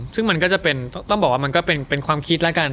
ซึ่งมันก็จะเป็นต้องบอกว่ามันก็เป็นความคิดแล้วกัน